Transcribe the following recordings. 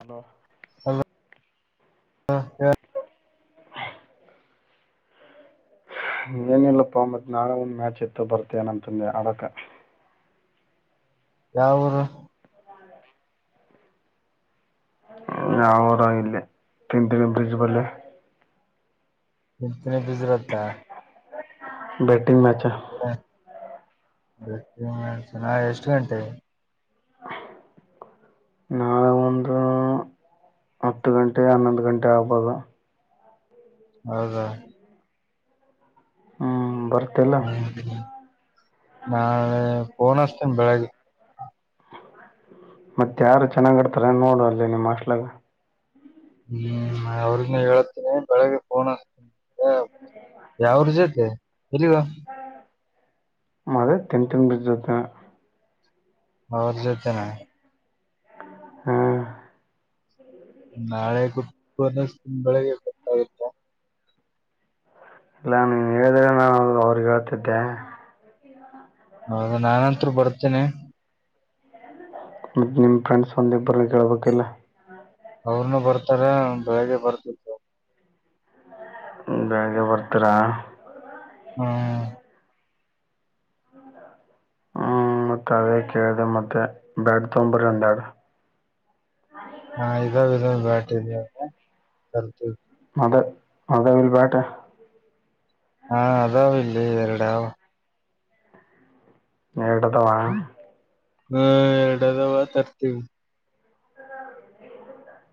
hello hello ಹಾ ಹೇಳ್ [unintelligible] ಹಾ [inaudible] ಏನಿಲ್ಲಪ್ಪಾ ಮತ್ ನಾಳೆ ಒಂದ್ ಮ್ಯಾಚ್ ಇತ್ತ್ ಭರ್ತಿ ಏನ್ ಅಂತದ್ಯ ಆಡಾಕ ಯಾವೂರು ನಾವು ಇಲ್ಲೇ ತಿಂತಿಣಿ ಬ್ರಿಜ್ಜ್ ಬಲ್ಲೆ ತಿಂತನಿ ಬ್ರಿಜ್ ಅತ್ರ ಬೆಟ್ಟಿಂಗ್ ಮ್ಯಾಚ್ ಬೆಟ್ಟಿಂಗ್ ಮ್ಯಾಚ್ ನಾಳೆ ಎಷ್ಟು ಗಂಟೆಗೆ ನಾಳೆ ಒಂದು ಹತ್ತು ಗಂಟೆ ಹನ್ನೊಂದು ಗಂಟೆ ಆಗ್ಬೋದು ಹೌದಾ ಹ್ಮ್ ಬರ್ತಾ ಹ್ಮ ನಾ ಫೋನ್ ಅಚ್ಚತೀನಿ ಬೆಳಿಗ್ಗೆ ಮತ್ತ ಯಾರು ಚೆನ್ನಾಗ್ ಆಡ್ತಾರೆ ನೋಡು ಅಲ್ಲಿ ನಿಮ್ಮ್ ಆಸ್ಟೆಲಾದಾಗ ಹ್ಮ್ ಅವರಿಗೂ ಹೇಳ್ತಿನಿ ಬೆಳಿಗ್ಗೆ ಫೋನ್ ಅಚ್ಚತೀನಿ ಯಾವ್ರ ಜೊತೆ ಎಲ್ಲಿಗೋ ಮದ ತಿನ್ ತಿನ್ ಬೀಜ ಜತ್ತ ಅವ್ರ ಜೊತೆನ ಹ್ಮ್ ನಾಳೆ ಗುಟ್ಟಾದಷ್ಟು ಬೆಳಿಗ್ಗೆ ಗೊತ್ತಾಗುತ್ತಾ ಪ್ಲಾನ್ ನೀನ್ ಹೇಳಿದ್ರೆ ನಾನು ಅವ್ರಿಗೆ ಹೇಳ್ತಿದ್ಯಾ ಹೌದ ನಾನಂತರು ಬರ್ತೀನಿ ಮತ್ತೆ ನಿಮ್ಮ ಫ್ರೆಂಡ್ಸ್ ಒಂದಿಬ್ರನ್ನ ಕೇಳ್ಬೇಕಿಲ್ಲ ಅವ್ರನು ಬರ್ತಾರ ಬೆಳಿಗ್ಗೆ ಬರ್ತಿತ್ತು ಬೆಳಗ್ಗೆ ಬರ್ತರ ಹಾ ಹ್ಮ್ ಮತ್ತ ಅದೇ ಕೇಳಿದೆ ಮತ್ತೆ ಬ್ಯಾಡ್ ತೊಂಬರಿ ಅಂಗಾದ್ರ ಹಾ ಇದ ಬ್ಯಾಟ ಅದ ಬರ್ತೀವಿ ಅದ ಅದೇ ಬ್ಯಾಟ ಹಾ ಅದಾವ್ ಇಲ್ಲಿ ಎರಡ ಎರಡ ಅದಾವ ಹ್ಮ ಎರಡದವಾ ತರ್ತೀವಿ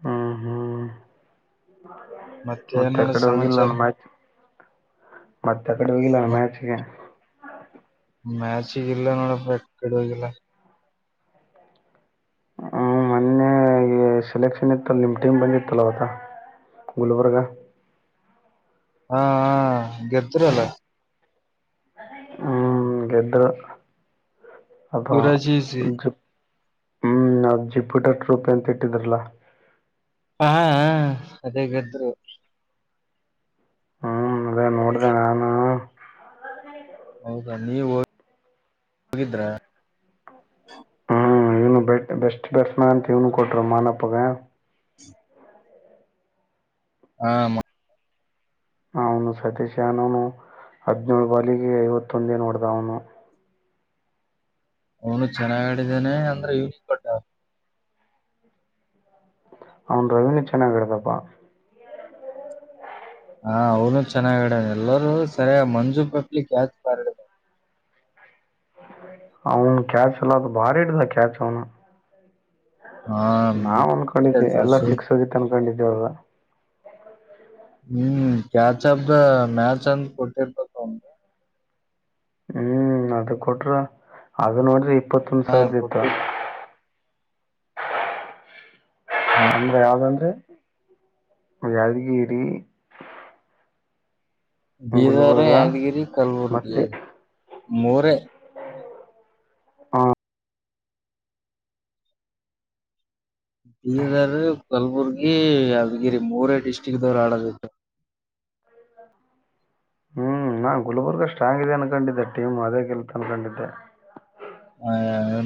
ಹ್ಮ ಹ್ಮ್ ಮತ್ತೇನ್ ಮತ್ತೆ ನಡ ಕಡೆ ಹೋಗಿಲ್ಲಾನ ಸಮಾಚಾರ ಮಾಹತಿ ಮತ್ತೆ ಅ ಕಡೆ ಹೋಗಿಲ್ಲ ಮ್ಯಾಚ್ಗೆ ಮ್ಯಾಚಿಗ ಇಲ್ಲ ನೋಡ ಕೆಡುವವಾಗಿಲ್ಲ ಹ್ಮ ಮೊನ್ನೆ ಸೆಲೆಕ್ಷನ್ ಇತ್ತ ನಿಮ ಟೀಮ್ ಬಂದಿತ್ತಲ್ಲ ಅವತ ಗುಲ್ಬರ್ಗ ಹಾ ಹಾ ಹ ಗೆದ್ದರಲ್ಲ ಗದ್ದ್ರು ಅದು ಯುವರಾಜ್ ಈಸಿ ಜಪ್ ಹ್ಮ್ ಅ ಜಿಪ್ಯೂಟರ್ ಟ್ರೂಪ್ ಅಂತ ಇಟ್ಟಿದ್ರಲ್ಲ ಹಾ ಅದೇಗಾದ್ರು ಹ್ಮ್ ಅದೇ ನೋಡಿದೆೆ ನಾನು ಹೌದಾ ನೀವು ಹ ಹೋಗಿದ್ರ ಹ್ಮ್ ಇವ್ನು ಬೆಟ್ ಬೆಸ್ಟ್ ಬೆರ್ಸ್ನ ಅಂತ ಇವ್ನು ಕೊಟರು ಮಾನಪ್ಪಗ [inaudible] ಹ ಅವನು ಸತೀಶ್ ಅನವ ನು ಹದನಳ ಬಾಲಿಗೆ ಐವತ್ತೊಂದೇ ನೋಡ್ದ ಅವನು ಅವನು ಚೆನ್ನಾಗ್ ಆಡಿದಾನೆ ಅಂದ್ರೆ ಯೂಸ್ ಕೊಟ್ಟ ಅವನ್ ರವಿನಿ ಚೆನ್ನಾಗಿಡದಪ್ಪಾ ಹ ಅವ್ನು ಚೆನ್ನಾಗಾಗಿಡಾನ ಎಲ್ಲರೂ ಸರಿಯ ಮಂಜು ಪಟ್ಲಿ ಕ್ಯಾಚ್ ಬಾರ್ಡ ಅವನು ಕ್ಯಾಚ್ ಎಲ್ಲ ಭಾರಿ ಇಡ್ದ ಕ್ಯಾಚ್ ಅವನು ಹಾ ಹ್ಮ್ ನಾವ ಅನ್ಕೊಂಡಿದ್ದೆ ಎಲ್ಲ ಸಿಕ್ಸೋದಿ ಅನ್ಕೊಂಡಿದೇವಲ್ಲ ಹ್ಮ್ ಕ್ಯಾಚ ಅಫ ದ ಮ್ಯಾಚ ಅನ್ ಕೊತ ಪ್ರ ತಮ ನೀ ಹ್ಮ್ ಅದು ಕೊಟ್ರ ಅದು ನೋಡ್ರಿ ಇಪ್ಪತ್ತೊಂದ ಹಾ ಸಾವಿದ ಇತ್ತು ಕೊಟ್ಟಿರ್ ಅಂದ ಯ್ದಂದೆ ಯದಗಿರಿ ಬೀದರ್ ಯಾದಗಿರಿ ಮತ್ತೆ ಕಲಬುರ್ಗಿ ಮೂರ ಹಾ ಬೀದರ್ ಕಲ್ಬುರ್ಗಿ ಯದಗಿರಿ ಮೂರೇ ಡಿಸ್ಟ್ರಿಕ್ ದವರು ಆಡೋದತ್ತು ಹ್ಮ್ ನಾ ಗುಲ್ಬರ್ಗ ಸ್ಟ ಹಾಂಗ್ ಇದೆ ಅನ್ಕೊಂಡಿದ್ದೆ ಟೀಮ್ ಅದೇ ಕೆಲ್ತ್ ಅನ್ಕೊಂಡಿದ್ದೆ ಆ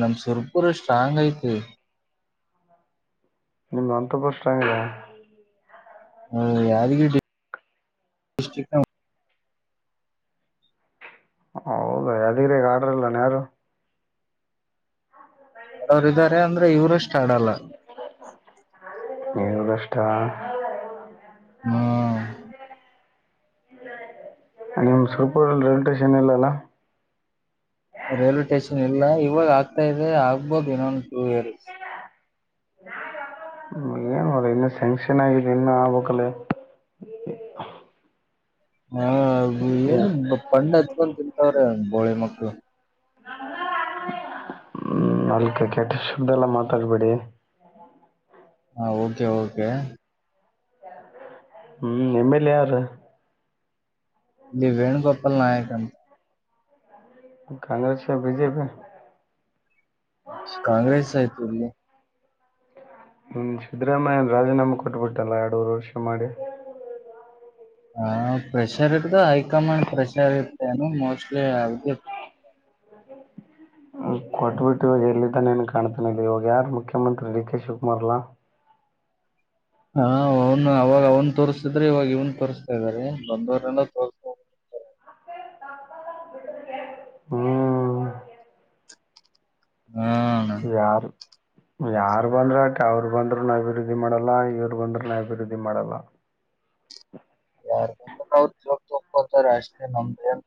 ನಮ ಸುರ್ಪುರ ಸ್ಟ್ರಾಂಗ್ ಐತಿ ನಿಮಮ್ಮ್ ಅಂತ ಬಷ್ಟಂಗರ ಹ ಯಾದಗಿರಿ ಡಿಸ್ಟ್ರಿಕ್ ಹೌದಾ ಯಾದಗಿರಿ ದಾಗ ಆಡ್ರಲ್ಲ ಯಾರು ಆಡೋರುಾರೆ ಅಂದ್ರೆ ಇವರುಷ್ಟ ಆಡಲ್ಲ ಏನು ಕಷ್ಟ ಹ್ಮ ನಿಮ ಸರ ಪುರಲಿ ರೈಲ್ ಸ್ಟೇಷನ್ ಇಲ್ಲ ಅಲ್ಲ ರೈಲ್ವೆ ಸ್ಟೇಷನ್ ಇಲ್ಲ ಇವಾಗ ಆಗ್ತಾ ಇದೆ ಆಗ್ಬೋದು ಇನ್ ಒನ್ ಟೂ ಇಯರ್ಸ್ ಏನನೋ ಡ್ರ ಇನ್ನು ಸ್ಯಾಂಕ್ಷನ್ ಆಗಿದೆ ಇನ್ನು ಆಬಕ್ಕಲ್ಲ ಹ್ಮ ಹ ಏನು ಪಂಡ ಹತ್ಕಲ್ ತಿಂತವ್ರೆ ಬೋಳೆ ಮಕ್ಳು ಹ್ಮ ನಾಕ ಕೆಟ ಶುದ್ದಲ್ಲ ಮಾತಾಡ್ಬೇಡಿ ಹ ಓಕೆ ಓಕೆ ಹ್ಮ್ ಎಮ್ ಎಲ್ ಎ ಯಾರ ಇಲ್ಲಿ ವೇಣುಗೋಪಾಲ್ ನಾಯಕ್ ಅಂತ ಕಾಂಗ್ರೆಸ್ ಬಿಜೆಪಿ ಕಾಂಗ್ರೆಸ್ ಆಯ್ತು ಇಲ್ಲಿ ಹ್ಮ ಸಿದ್ದರಾಮಯ್ಯನ ರಾಜೀನಾಮ ಕೊಟ್ಬಿಟ್ಟಲ್ಲ ಎರಡುೂರು ವರ್ಷ ಮಾಡಿ ಹ ಪ್ರೆಷರ್ ಇರ್ತ ಹೈಕಮಾಂಡ್ ಪ್ರೆಷರ್ ಇರ್ತ್ತನೋ ಮೋಸ್ಟ್ಲಿ ಅದಕ್ಕೆ [inaudible] ಕೊಟ್ಬಿಟ್ಟು ಇವಾಗ ಎಲ್ಲಿದ್ದಾನೇನ್ ಕಾಣ್ತನ ಇ ಇವಾಗ ಯಾರು ಮುಖ್ಯಮಂತ್ರಿ ಡಿ ಕೆ ಶಿವಕುಮಾರ್ಲ್ಲಾ [inaudible] ಹಾ ಅವನು ಅವಾಗ ಅವ್ನ್ ತೋರ್ಸ್ತಿದ್ರೆ ಇವಾಗ ಇವನ್ ತೋರಿಸ್ತಾ ಇದಾರೆ ಬಂದವರೆಲ್ಲ ತೋರ್ ಹ [inaudible] ಹ್ಮ್ ಹಾ ಅಣ್ಣ ಯಾರ ಬಂದ್ರ ಅ ಅವ್ರು ಬಂದ್ರುನು ಅಭಿವೃದ್ಧಿ ಮಾಡಲ್ಲ ಇವರು ಬಂದ್ೂನು ಅಭಿವೃದ್ಧಿ ಮಾಡಲ್ಲ ಹ [inaudible] ಯಾರ ಬಧರ [unintelligible] ಅಷ್ಟೇ ನಂಬಂಬ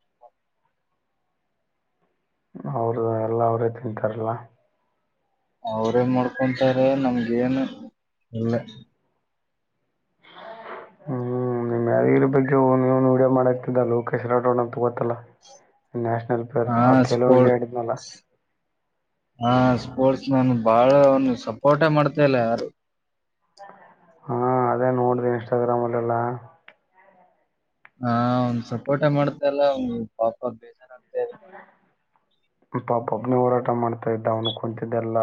ಅವರು ಎಲ್ಲ ಅವ್ರೇ ತಿಂತಾರಲ್ಲ ಅವ್ರೇ ಮಾಡ್ಕೊಂತಾರೆ ನಮ್ಗೇನು ಇಲ್ಲ [inaudible] ಹ್ಮ್ ನಿಮ್ ಯಾದ್ಗಿರಿ ಬಗ್ಗೆ ನ್ ನ್ ವಿಡಿಯೋ ಮಾಡಕ್ತಿದ್ದ ಲೋಕೇಶ ರಡೋಣ ಅಂತ ಗೊತ್ತಲ್ಲ ನ್ಯಾಷನಲ್ ಪ್ಲೇಯರ್ ಹಾ ಆ ಖೇಲೋ ಸ್ಪ ಇಂಡಿಯಾ ಆಡಿದ್ನಲ್ಲ ಹಾ [unintelligible] [inaudible] ಸ್ಪೋರ್ಟ್ಸ್ ನಾನು ಬಾಳ ಅವನು ಸಪೋರ್ಟೇ ಮಾಡ್ತ ಇಲ್ಲ ಯಾರು ಹಾ ಅದೇ ನೋಡಿದೆ ಇನ್ಸ್ಟಾಗ್ರಾಮ್ ಅಲ್ಲೆಲ್ಲ ಹ ಒನ್್ ಸಪೋರ್ಟೆ ಮಾಡ್ತಲ್ಲ ಅವ ಪಾಪ ಬೇಜಾರ ಆಗು ಪಾಪ ಒಬ್ನ ಹೋರಾಟ ಮಾಡ್ತಾ ಇದ್ದ ಅವನು ಕುಂತ್ದೆಲ್ಲ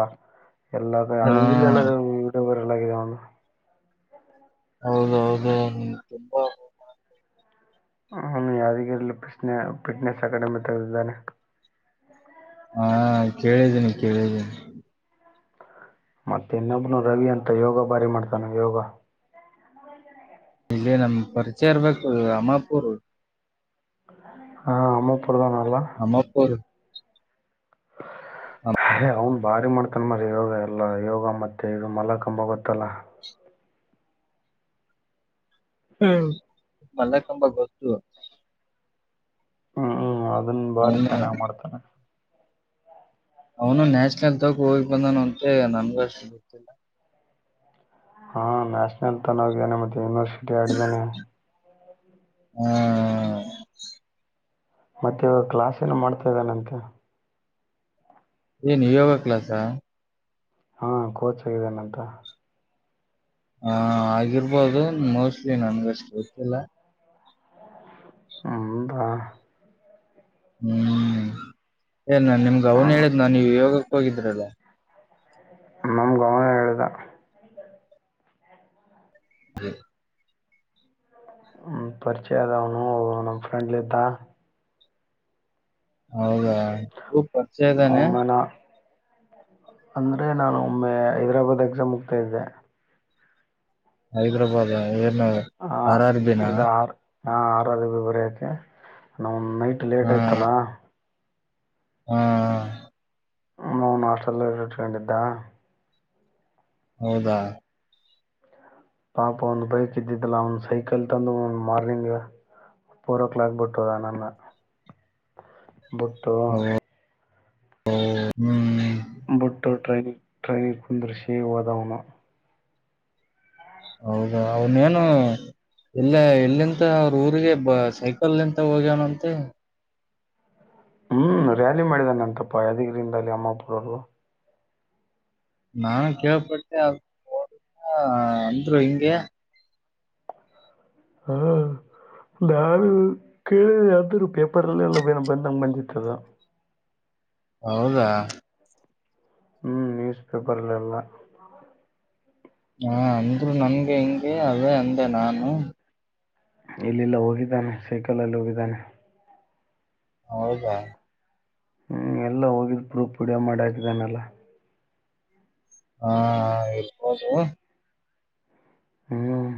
ಹಾ ಎಲ್ಲಿಲ್ಲ ಎಲ್ಲ [unintelligible] ಯಟ್ಯೂಬರ್ ಎಲ್ಲ ಅವನು ಹೌದೌದು ತುಂಬಾ [inaudible] ಯಾದಗಿರಿಲ್ಲಿ ಫನೆ ಫಿಟ್ನೆಸ್ ಅಕಾಡೆಮಿ ತೆಗೆದಿದ್ದಾನೆ ಹಾ ಕೇಳಿದ್ದೀನಿ ಕೇಳಿದ್ದೀನಿ ಮತ್ತೆ ಇನ್ನೊಬ್ನು ರವಿ ಅಂತ ಯೋಗ ಭಾರಿ ಮಾಡ್ತಾನ ಯೋಗ ಇಲ್ಲಿ ನಮ್ ಪರಿಚಯ ಇರ್ಬೇಕು ಅಮ್ಮಾಪೂರ್ ಹಾ ಅಮ್ಮಪೂ ಅಮ್ಮಾಪುರ್ ಹ ಹ ಅವ್ನು ಬಾರಿ ಮಾಡ್ತನ್ ಮರ ಯೋಗ ಎಲ್ಲ ಯೋಗ ಮತ್ತೆ ಇದು ಮಲ ಕಂಬ ಗೊತ್ತಲ್ಲ ಹ್ಮ್ ಮಲ್ಲಕಂಬ ಗೊತ್ತುು ಹ್ಮ್ ಹ್ಮ್ ಅದನ್ ಭಾರಿ ಚೆನ್ನಾಗ್ ಮಾಡ್ತಾನ ಅವನು ನ್ಯಾಶನಲ್ ತಾಗ ಹೋಗಿ ಬಂದಾನ ಅಂತೆ ನಮ್ಗ ಅಷ್ಟು ಗೊತ್ತಿಲ್ಲ ಹಾ ನ್ಯಾಷನಲ್ ತನೋಗಿದ್ದಾನೆ ಮತ್ತೆ ಯೂನಿವರ್ಸಿಟಿ ಆಡಿದಾನೆ ಹ್ಮ ಮತ್ತೆ ಇವಾಗ ಕ್ಲಾಸ್ ಏನ ಮಾಡ್ತಾ ಇದ್ದಾನಂತೆ ಏನು ಯೋಗಾ ಕ್ಲಾಾಸಾ ಹಾ ಕೋಚ್ ಆಗಿದ್ದೇನೆಂತ ಹ ಆಗಿರ್ಬೋದು ಮೋಸ್ಟ್ಲಿ ನನ್ಗೆಷ್ಟು ಗೊತ್ತಿಲ್ಲ ಅಂದ [unintelligible] ಹ್ಮ್ ಏ ನಾನ್ ನಿಮ್ಗ ಅವನು ಹ್ಮ್ ಹೇಳಿದ್ ನಾನ್ ನೀವ ಯೋಗಕ್ ಹೋಗಿದ್ರಲ್ಲ ನಮ್ ಔನ್ ಹೇಳದ ಹ್ಮ [inaudible] ಹ್ಮ ಪರಿಚಯ ಆದ ಅವನು ನಮ್ ಫ್ರೆಂಡ್ಲ ಇದ್ದ ಹೌದಾ ಊ ಪರಿಚಯ ಇದ್ದಾನೆ ಅವನ ಅಂದ್ರೆ ನಾನು ಒಮ್ಮೆ ಹೈದರಾಬಾದ್ ಎಕ್ಸಾಮ್ ಹೋಗ್ತಾ ಇದ್ದೆ ಹೈದ್ರಾಬಾದ ಏನು ಆ ಆರ್ ಆರ್ಬಿನ ಇದು ಆರ್ ಹಾ ಆರ್ ಆರ್ ಬಿ ಬರಯಾಕೆ ನ ನೈಟ್ ಲೇಟ್ ಹಾ ಆಯ್ತಲ್ಲಾ ಹಾ ನ ಅವನ್ ಹಾಸ್ಟೆಲ್ಲ್ಲಿ ಇಟ್ಸ್ ಕಂಡಿತ ಹೌದಾ ಪಾಪ ಒಂದ್ ಬೈಕ್ ಇದ್ದಿದ್ದಾ ಅವನ್ ಸೈಕಲ್ ತಂದು ಒಂದ ಮಾರ್ನಿಂಗ್ ಫೋರ್ ಓ ಕ್ಲಾಕ್ ಬಿಟ್ಟದ ನನ್ನ ಬಿುಟ್ಟು ಹ ಹ್ಮ್ ಬಟ್ಟ ಟ್ರೈನ ಟ್ರೈನ ಕುಂದ್ರಿಸಿೇ ಹೋದಾವನು ಹೌದಾ ಅವನ ಏನು ಎಲ್ಲ ಎಲ್ಲಿಂತ ಅವ್ರ ಊರಿಗೆ ಬ ಸೈಕಲ್ಂತ ಹೋಗ್ಯವನ ಅಂತೆ ಹ್ಮ್ ರ್ಯಾಲಿ ಮಾಡಿದಾನೆ ಅಂತಪ್ಪ ಯಾದಗಿರಿಂದ ಅಲ್ಲಿ ಅಮ್ಮ ಪುರರು ನಾನು ಕೇಳ್ಪಟ್ಟೆೋ ಅಂದ್ರು ಹಿಂಗೆ ಹಾ ಯಾರು ಕೇಳಿದಾದ್ರರು ಪೇಪರ್ಲ್ಲ ಎಲ್ಲ ಏನ ಬಂದಂಗ ಬಂದಿತ್ತದ ಹೌದಾ ಹ್ಮ್ ನ್ಯೂಸ್ ಪೇಪರ್ಲ್ಲ ಎಲ್ಲ ಹಾ ಅಂದ್ರು ನನ್ಗೆ ಹಿಂಗೆ ಅದೇ ಅಂದೆ ನಾನು ಇಲ್ಲಿಲ್ಲ ಹೋಗಿದ್ದಾನೆ ಸೈಕಲ್ಲ್ಲಿ ಹೋಗಿದ್ದಾನೆ ಹೌದಾ ಹ್ಮ್ ಎಲ್ಲ ಹೋಗಿದ್ ಗ್ರೂಪ್ ವಿಡಿಯೋ ಮಾಡಿ ಹಾಕಿದ್ದಾನಲ್ಲ ಹಾ ಇಬೋದು [inaudible] ಹ್ಮ್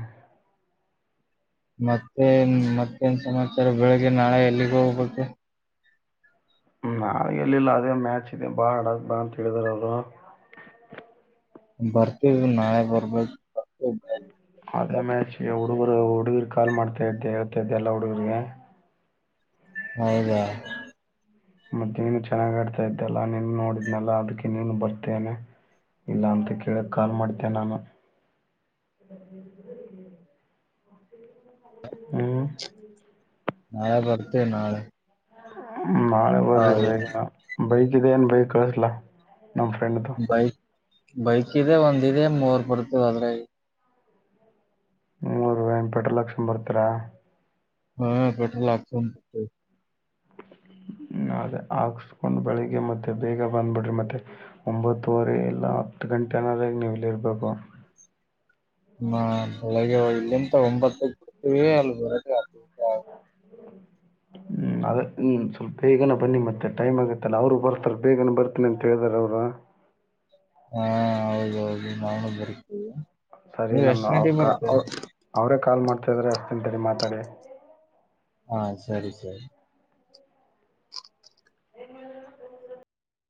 ಮತ್ತೆ ಮತ್ತೇನ್ ಸಮಾಚಾರ ಬೆಳಿಗ್ಗೆ ನಾಳೆ ಎಲ್ಲಿಗ ಹೋಗ್ಬತ್ತೆ ನಾ ಎಲ್ಲಿಲ್ಲ ಅದೇ ಮ್ಯಾಚ್ ಇದೆ ಬಾಳ್ ಹಡಕ್ ಬ ಅಂತ ಹೇಳಿದಾರ ಅವರು ಬರ್ತ ನಾಳೆ ಬರಬ ಅದೇ ಮಚ್ ಎ ಹುಡುಗೀರ್ ಕಾ ಮಾಡ್ತಾ ಇದ್ದೆ ಹೇಳ್ತಾ ಇದೆ ಎಲ್ಲಾ ಹುಡುಗರ್ರಿಗೆ ಹೌದಾ ಮತ್ತೆ ನೀನು ಚೆನ್ನಾಗ ಆಡ್ತಾ ಇದ್ದಲ್ಲ ನೀನು ನೋಡಿದ್ನಲ್ಲ ಅದಕ್ಕೆ ನೀನು ಬರ್ತೇನೆ ಇಲ್ಲ ಅಂತ ಕೇಳಕ್ ಕಾಲ್ ಮಾಡ್ಿದ್ದೇ ನಾನು ಹ್ಮ ನಯಾ ಬರ್ತ ನಾಳೆ ನಾಳೆ ಬರ್ರಿ ಹೌದು ಬೇಗ ಬೈಕ್ ಇದೆ ಏನ್ ಬೈಕ್ ಕಳಸ್ಲ ನಮ್ಮ್ ಫ್ರೆಂಡ್ದು ಬೈಕ್ ಬೈಕ್ ಇದೆ ಒಂದಿದೆ ಮೂರ್ ಬರ್ತೇವ ಅದ್ರೆ ಮೂರುೂಾಯಿ ಪೆಟ್ರೋಲ್ ಹಾಕುಸ್ಕೊಂಡು ಬರ್ತೀರಾ ಹಾ ಕಠಲಾಗತ [unintelligible] [unintelligible] ಅದೇ ಹಾಕ್ಸ್ಕೊಂಡು ಬೆಳಿಗ್ಗೆ ಮತ್ತೆ ಬೇಗ ಬಂದು್ಬಿಡ್ರಿ ಮತ್ತೆ ಒಂಬತ್ತುವರೆ ಎಲ್ಲ ಹತ್ತು ಗಂಟೆ ಅನ್ರಾಗ ನೀವು ಇಲ್ಲಿರ್ಬೇಕು ಹಾ ಬೆಳಗ್ಗೆ ಇಲ್ಲಿಂತ ಒಂಬತ್ತ ಕೊಡ್ತೀವಿ ಅಲ್ಲಿರ ಹ [unintelligible] [inaudible] ಹ್ಮ ಅದ ಹ್ಮ್ ಸ್ವಲ್ಪ ಬೇಗನ ಬನ್ನಿ ಮತ್ತೆ ಟೈಮ್ ಆಗತ್ತಲ್ಲ ಅವ್ರು ಬರ್ತಾರ ಬೇಗನ ಬರ್ತೀನಿ ಅಂತ ಹೇಳಿದಾರ ಅವ್ರು ಸ ಹಾ ಹೌದೌದು ನಾನು ಬರ್ತೇವೆ ಸರಿ ನಮ್ಮು ಅವ್ರ ಕ ಅವ ಅವರೇ ಕಾಲ್ ಮಾಡ್ತಾಿದ್ರೆ ಅಷ್ಟು ತಿಂತರಿ ಮಾತಾಡಿ [inaudible] ಹಾ ಸರಿ ಸರಿ ಎ [inaudible]